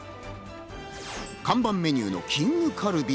看板メニューのきんぐカルビ。